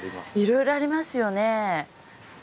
色々ありますよね。